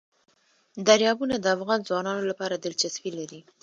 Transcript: دریابونه د افغان ځوانانو لپاره دلچسپي لري.